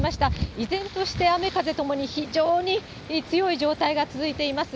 依然として雨、風ともに非常に強い状態が続いています。